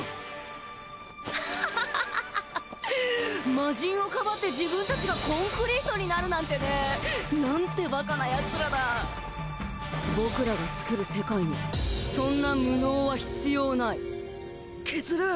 マジンをかばって自分たちがコンクリートになるなんてねなんてバカなヤツらだ僕らが作る世界にそんな無能は必要ないケズル！